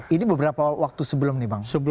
ini beberapa waktu sebelum nih bang